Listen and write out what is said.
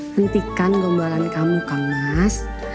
hentikan gombalan kamu kang mas